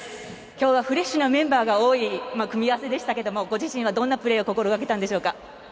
今日は、フレッシュなメンバーが多い組み合わせでしたがご自身はどんなプレー心掛けたんでしょうか。